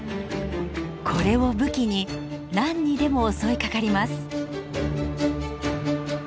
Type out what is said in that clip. これを武器に何にでも襲いかかります。